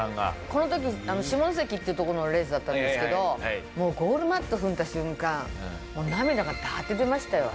この時下関ってとこのレースだったんですけどもうゴールマット踏んだ瞬間涙がバーッて出ましたよ。